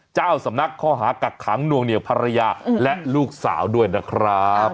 เจ้าสำนักข้อหากักขังนวงเหนียวภรรยาและลูกสาวด้วยนะครับ